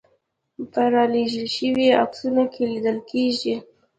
په رالېږل شویو عکسونو کې لیدل کېږي.